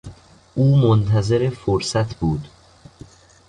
او منتظر فرصت بود.